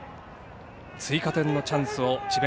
追加点のチャンスを智弁